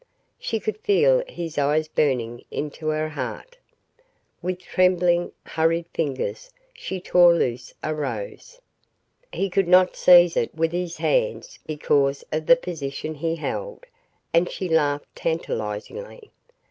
She could feel his eyes burning into her heart. With trembling, hurried fingers she tore loose a rose. He could not seize it with his hands because of the position he held, and she laughed tantalizingly.